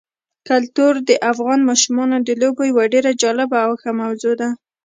کلتور د افغان ماشومانو د لوبو یوه ډېره جالبه او ښه موضوع ده.